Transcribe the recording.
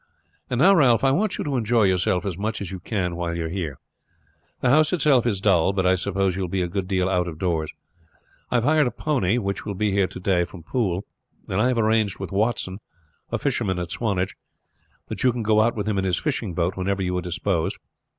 And now, Ralph, I want you to enjoy yourself as much as you can while you are here. The house itself is dull, but I suppose you will be a good deal out of doors. I have hired a pony, which will be here to day from Poole, and I have arranged with Watson, a fisherman at Swanage, that you can go out with him in his fishing boat whenever you are disposed.